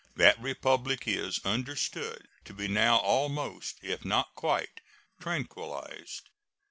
That Republic is understood to be now almost, if not quite, tranquilized.